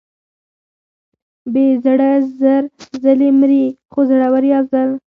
بې زړه زر ځلې مري، خو زړور یو ځل.